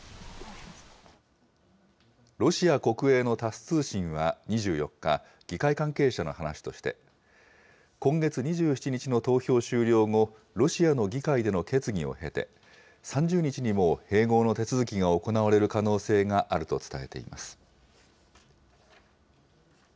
ロシア国営のタス通信は２４日、議会関係者の話として、今月２７日の投票終了後、ロシアの議会での決議を経て、３０日にも併合の手続きが行われる可能性があると伝えています。